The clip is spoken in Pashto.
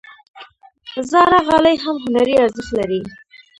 زاړه غالۍ هم هنري ارزښت لري.